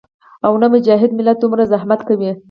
او نۀ مجاهد ملت دومره زحمت کوي